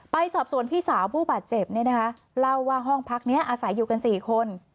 ไปสอบสวนพี่สาวผู้บาดเจ็บเนี่ยนะคะเล่าว่าห้องพักนี้อาศัยอยู่กัน๔คน